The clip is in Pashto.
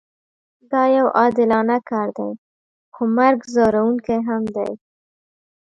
دا یو عادلانه کار دی خو مرګ ځورونکی هم دی